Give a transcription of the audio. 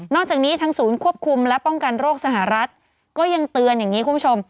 จากนี้ทางศูนย์ควบคุมและป้องกันโรคสหรัฐก็ยังเตือนอย่างนี้คุณผู้ชม